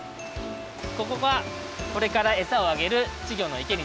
ここがこれからエサをあげるちぎょの池になります。